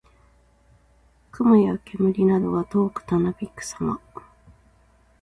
雲や煙などが遠くたなびくさま。